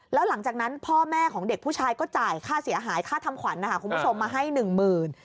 แล้วหลังจากนั้นพ่อแม่ของเด็กผู้ชายก็จ่ายค่าเสียหายค่าทำขวัญนะคะคุณผู้ชมมาให้หนึ่งหมื่น